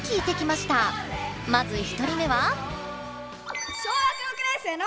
まず１人目は。